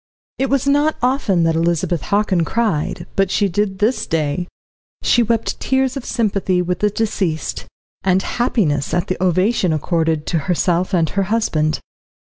It was not often that Elizabeth Hockin cried, but she did this day; she wept tears of sympathy with the deceased, and happiness at the ovation accorded to herself and her husband.